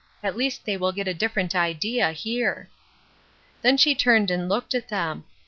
At least they will get a different idea here." Then she turned and looked at them.